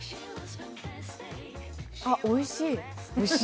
あ、おいしい。